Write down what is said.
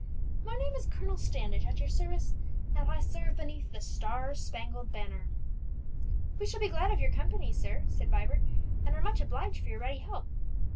My name is Colonel Standish, at your service, and I serve beneath the star spangled banner." "We shall be glad of your company, sir," said Vibert; "and are much obliged for your ready help."